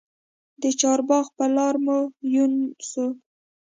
د چارباغ پر لار مو یون سو